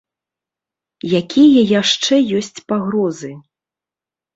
Якія яшчэ ёсць пагрозы?